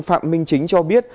phạm minh chính cho biết